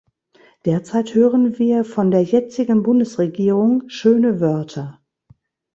Derzeit hören wir von der jetzigen Bundesregierung schöne Wörter .